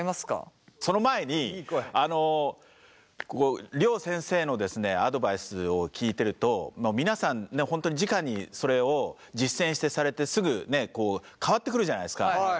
その前に両先生のですねアドバイスを聞いてると皆さん本当にじかにそれを実践されてすぐ変わってくるじゃないですか。